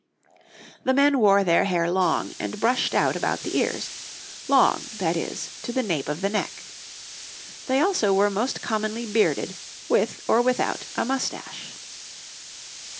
The men wore their hair long and brushed out about the ears long, that is, to the nape of the neck. They also were most commonly bearded, with or without a moustache.